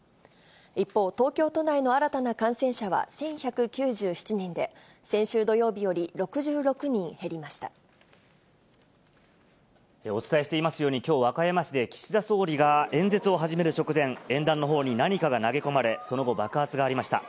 一方、東京都内の新たな感染者は１１９７人で、お伝えしていますように、きょう、和歌山市で岸田総理が演説を始める直前、演壇のほうに何かが投げ込まれ、その後、爆発がありました。